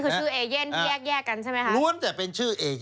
นี่คือชื่อเอเย่นที่แยกกันใช่ไหมครับ